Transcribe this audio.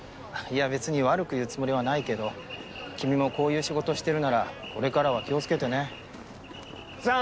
いや別に悪く言うつもりはないけど君もこういう仕事してるならこれからは気をつけてねざ